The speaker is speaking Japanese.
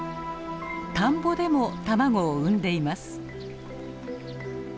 田んぼでも卵を産んでいます。